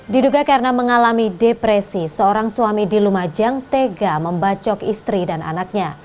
diduga karena mengalami depresi seorang suami di lumajang tega membacok istri dan anaknya